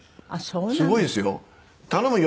すごいですよ。